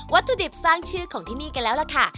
ถุดิบสร้างชื่อของที่นี่กันแล้วล่ะค่ะ